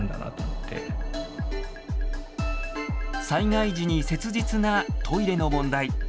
災害時に切実なトイレの問題。